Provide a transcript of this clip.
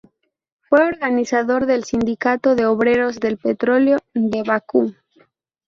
Fue organizador del Sindicato de Obreros del Petróleo de Bakú.